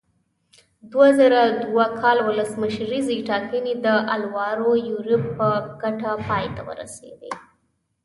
دوه زره دوه کال ولسمشریزې ټاکنې د الوارو یوریب په ګټه پای ته ورسېدې.